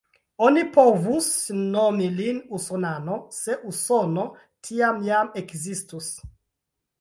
Oni povus nomi lin usonano, se Usono tiam jam ekzistus.